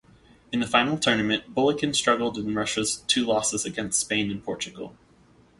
In the final tournament Bulykin struggled in Russia's two losses against Spain and Portugal.